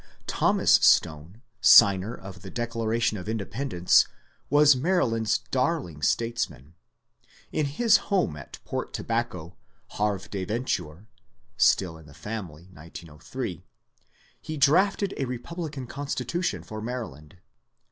Thomas Stone, signer of the Declaration of Independence, was Maryland's darling statesman. In his home at Port Tobacco, " Havre de Venture " (still in the family, 1908), he drafted a republican constitution for Maryland.